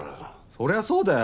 そりゃそうだよ！